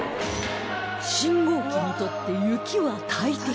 信号機にとって雪は大敵